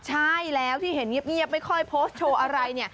ใช่แล้วที่เห็นเงียบไม่ค่อยโพสต์โชว์อะไร